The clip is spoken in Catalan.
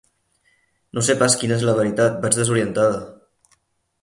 No sé pas quina és la veritat, vaig desorientada.